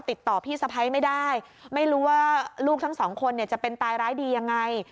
ติดต่อพี่สะพ้ายไม่ได้ไม่รู้ว่าลูกทั้งสองคนเนี่ยจะเป็นตายร้ายดียังไง